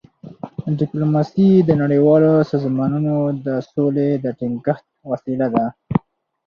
ډيپلوماسي د نړیوالو سازمانونو د سولي د ټینګښت وسیله ده.